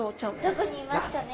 どこにいますかねえ。